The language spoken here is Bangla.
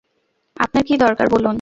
আপনার কী দরকার, বলুন?